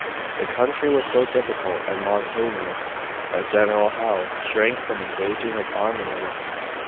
The country was so difficult and mountainous that General Howe shrank from engaging his army in it.